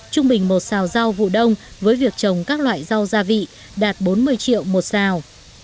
trung bình một xào rau vụ đông với việc trồng các loại rau gia vị đạt bốn mươi triệu một sao